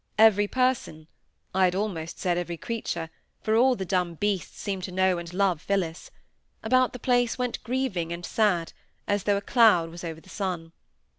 Every person (1 had almost said every creature, for all the dumb beasts seemed to know and love Phillis) about the place went grieving and sad, as though a cloud was over the sun.